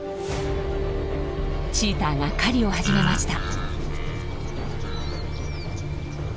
チーターが狩りを始めました。